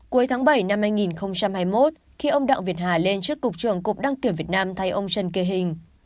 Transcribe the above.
cuối tháng bảy năm hai nghìn hai mươi một khi ông đặng việt hà lên trước cục trưởng cục đăng kiểm việt nam thay ông trần kỳ hình